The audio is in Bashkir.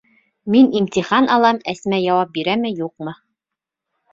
Мин имтихан алам, Әсмә яуап бирәме, юҡмы...